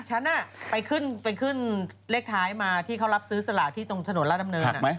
ฉันไปขึ้นไปขึ้นเลขท้ายมาที่เขารับซื้อสลากที่ตรงถนนราชดำเนิน